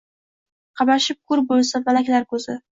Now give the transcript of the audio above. qamashib ko’r bo’lsin malaklar ko’zi.